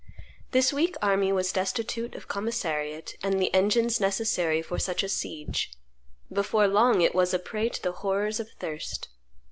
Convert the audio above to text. This weak army was destitute of commissariat and the engines necessary for such a siege. Before long it was a prey to the horrors of thirst.